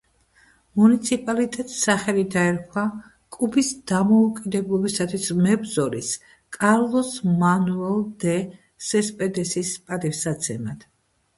მუნიციპალიტეტს სახელი დაერქვა კუბის დამოუკიდებლობისათვის მებრძოლის კარლოს მანუელ დე სესპედესის პატივსაცემად.